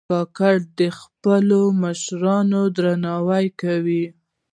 کاکړ د خپلو مشرانو درناوی کوي.